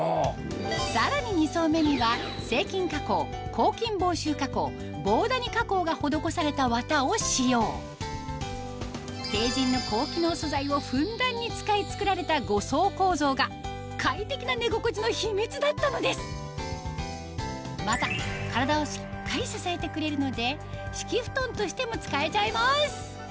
さらに２層目にはが施されたわたを使用ＴＥＩＪＩＮの高機能素材をふんだんに使い作られた５層構造が快適な寝心地の秘密だったのですまた体をしっかり支えてくれるので敷布団としても使えちゃいます